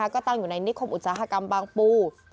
ก็ตั้งอยู่ในนิคมอุตสาหกรรมบางปู